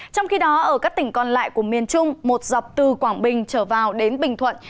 trong khi đó ở các tỉnh còn lại của miền trung một dọc từ quảng bình trở vào đến bình thuận